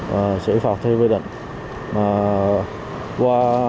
và xử phạt theo quyết định